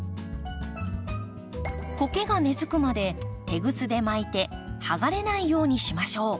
コケが根づくまでテグスで巻いて剥がれないようにしましょう。